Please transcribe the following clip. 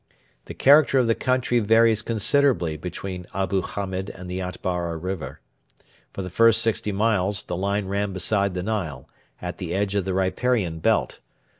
The character of the country varies considerably between Abu Hamed and the Atbara River. For the first sixty miles the line ran beside the Nile, at the edge of the riparian belt.